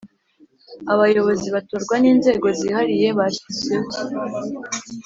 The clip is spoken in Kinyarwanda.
abayozi batorwa ninzego zihariye bashyizeho